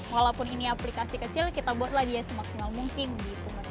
walaupun ini aplikasi kecil kita buatlah dia semaksimal mungkin gitu